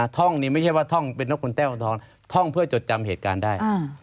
ท่องนี้ไม่ใช่ว่าท่องเป็นนกคุณแต้วทองท่องเพื่อจดจำเหตุการณ์ได้